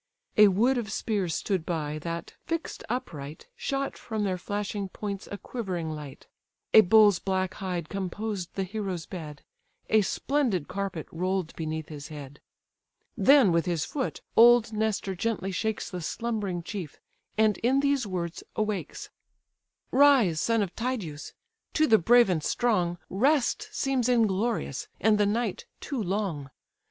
A wood of spears stood by, that, fix'd upright, Shot from their flashing points a quivering light. A bull's black hide composed the hero's bed; A splendid carpet roll'd beneath his head. Then, with his foot, old Nestor gently shakes The slumbering chief, and in these words awakes: "Rise, son of Tydeus! to the brave and strong Rest seems inglorious, and the night too long.